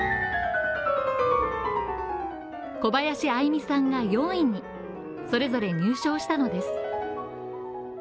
小林愛実さんが４位にそれぞれ入賞したのです。